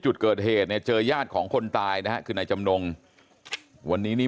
จุดเกิดเหตุเนี่ยเจอญาติของคนตายนะฮะคือนายจำนงวันนี้นี่